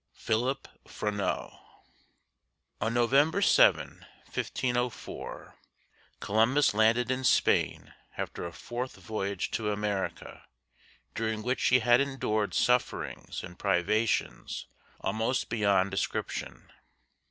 PHILIP FRENEAU. On November 7, 1504, Columbus landed in Spain after a fourth voyage to America, during which he had endured sufferings and privations almost beyond description.